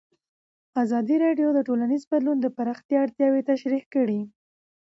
ازادي راډیو د ټولنیز بدلون د پراختیا اړتیاوې تشریح کړي.